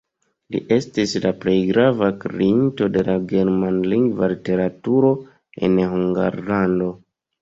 Li estis la plej grava kreinto de la germanlingva literaturo en Hungarlando.